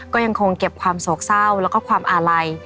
ก็ยังคงเก็บความโศกเศร้าแล้วก็ความอาลัย